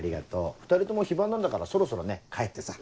２人とも非番なんだからそろそろね帰ってさ。